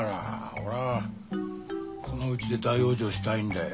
俺はこの家で大往生したいんだよ。